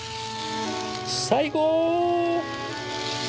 最高！